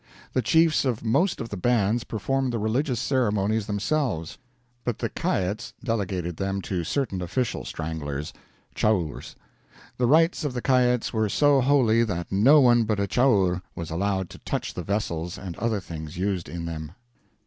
The chiefs of most of the bands performed the religious ceremonies themselves; but the Kaets delegated them to certain official stranglers (Chaurs). The rites of the Kaets were so holy that no one but the Chaur was allowed to touch the vessels and other things used in them.